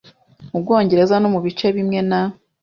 mu Bwongereza no mu bice bimwe na